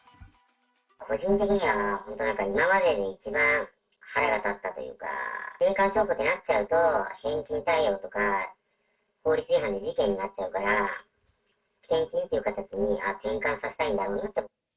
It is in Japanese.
個人的には、今までで一番腹が立ったというか、霊感商法ってなっちゃうと、返金対応とか、法律違反で事件になっちゃうから、献金という形にへんかんさせたいんだろうなと。